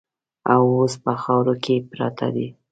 او اوس په خاورو کې پراته دي.